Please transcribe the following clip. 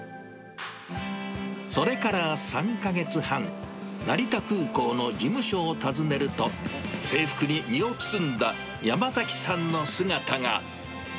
それから３か月半、成田空港の事務所を訪ねると、制服に身を包んだ山崎さんの姿が。